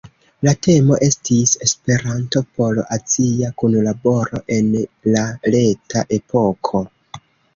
La temo estis "Esperanto por azia kunlaboro en la reta epoko!